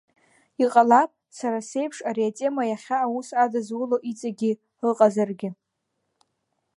Иҟалап, сара сеиԥш, ари атема иахьа аус адызуло иҵегьы ыҟазаргьы.